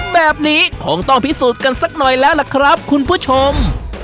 แบบนี้คงต้องพิสูจน์กันสักหน่อยแล้วล่ะครับคุณผู้ชม